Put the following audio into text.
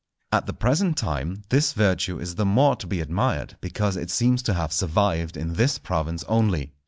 At the present time this virtue is the more to be admired, because it seems to have survived in this province only.